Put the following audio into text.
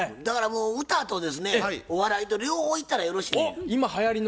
だからもう歌とですねお笑いと両方いったらよろしいねや。